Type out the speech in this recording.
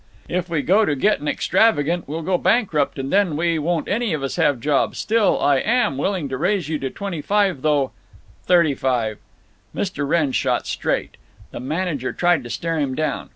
"—if we go to getting extravagant we'll go bankrupt, and then we won't any of us have jobs…. Still, I am willing to raise you to twenty five, though—" "Thirty five!" Mr. Wrenn stood straight. The manager tried to stare him down.